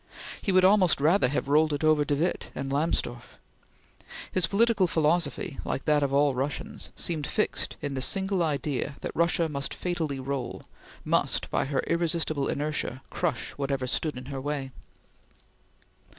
He would almost rather have rolled it over de Witte and Lamsdorf. His political philosophy, like that of all Russians, seemed fixed in the single idea that Russia must fatally roll must, by her irresistible inertia, crush whatever stood in her way.